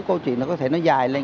câu chuyện nó có thể nó dài lên